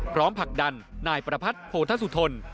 พร้อมผลักดันนายประพัฒน์โพธศุธน